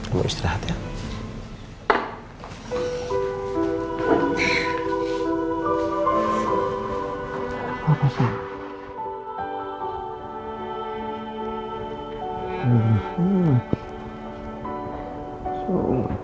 am cerehat ya